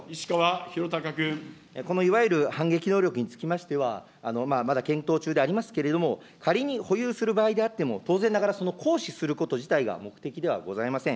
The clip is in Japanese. このいわゆる反撃能力につきましては、まだ検討中でありますけれども、仮に保有する場合であっても、当然ながらその行使すること自体が目的ではございません。